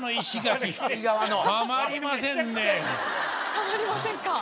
たまりませんか。